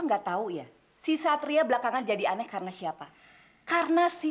enggak tahu ya si satria belakangan jadi aneh karena siapa karena si